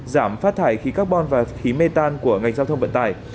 giảm phát thải khí carbon và khí metan của ngành giao thông vận tải